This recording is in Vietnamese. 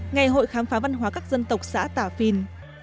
ngày hội khám phá văn hóa các dân tộc xã tà phiên